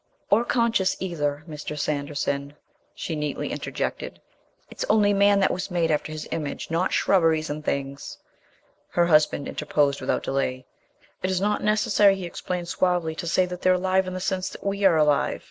"Or conscious either, Mr. Sanderson," she neatly interjected. "It's only man that was made after His image, not shrubberies and things...." Her husband interposed without delay. "It is not necessary," he explained suavely, "to say that they're alive in the sense that we are alive.